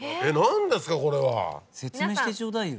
説明してちょうだいよ。